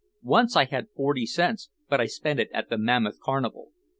Once I had forty cents but I spent it at the Mammoth Carnival.